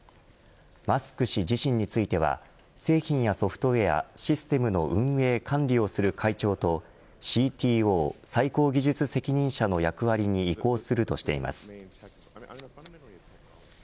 マスク氏自身については製品やソフトウエア、システムの運営、管理をする会長とＣＴＯ最高技術責任者の役割に移行するとしています。